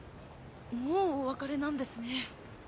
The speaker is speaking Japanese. もうお別れなんですね。